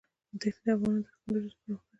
دښتې د افغانستان د تکنالوژۍ پرمختګ سره تړاو لري.